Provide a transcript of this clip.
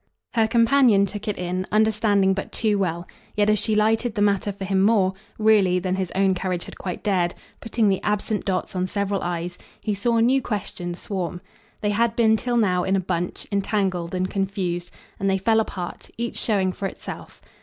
Her companion took it in, understanding but too well; yet as she lighted the matter for him more, really, than his own courage had quite dared putting the absent dots on several i's he saw new questions swarm. They had been till now in a bunch, entangled and confused; and they fell apart, each showing for itself.